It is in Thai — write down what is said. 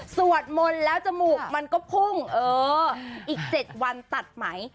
สวดมนต์แล้วจมูกมันก็พุ่งเอออีก๗วันตัดไหม